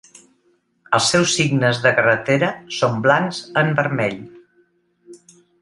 Els seus signes de carretera són blancs en vermell.